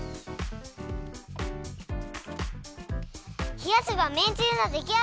ひやせばめんつゆのできあがり。